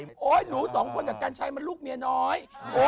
นี่ลูกสองคนกับกัญชายมันลูกแม่น้อย